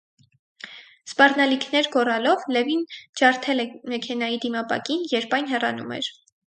Սպառնալիքներ գոռալով՝ Լևին ջարդել է մեքենայի դիմապակին, երբ այն հեռանում էր։